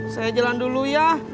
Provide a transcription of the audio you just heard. saya jalan dulu ya